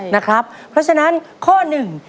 เพราะฉะนั้นข้อหนึ่ง